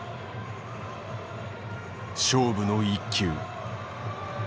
勝負の一球。